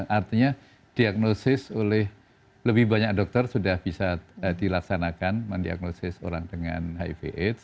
artinya diagnosis oleh lebih banyak dokter sudah bisa dilaksanakan mendiagnosis orang dengan hiv aids